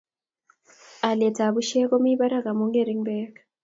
Alyet ab pushek ko mie barak amu ngering' peek